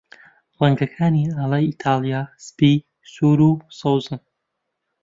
ڕەنگەکانی ئاڵای ئیتاڵیا سپی، سوور، و سەوزن.